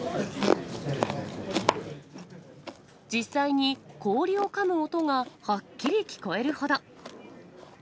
実際に氷をかむ音がはっきり聞こえるほど。